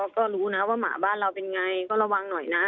ก็รู้นะว่าหมาบ้านเราเป็นไงก็ระวังหน่อยนะ